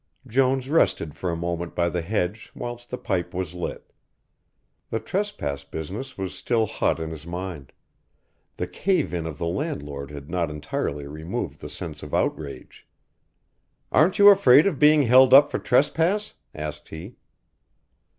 Jones rested for a moment by the hedge whilst the pipe was lit. The trespass business was still hot in his mind. The cave in of the Landlord had not entirely removed the sense of outrage. "Aren't you afraid of being held up for trespass?" asked he.